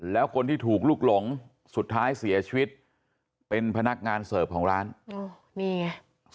แล้วคนที่ถูกลุกหลงสุดท้ายเสียชีวิตเป็นพนักงานเสิร์ฟของร้านนี่ไง